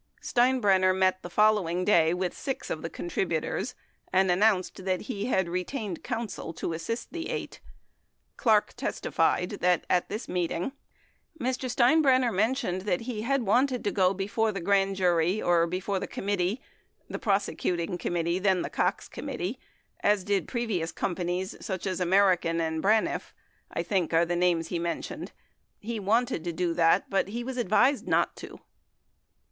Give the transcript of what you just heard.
Steinbrenner met the following day with six of the contributors and announced he had retained counsel to assist the eight. Clark testi fied that at this meeting : Mr. Steinbrenner mentioned that he had wanted to go before the grand jury or before the committee— the prose cuting committee, then the Cox committee — as did previous companies, such as American and Braniff, I think are the names he mentioned. He wanted to do that but he was advised not to.